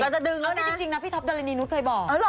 แล้วจริงนะพี่ท็อปดาลินีนุธเคยบอก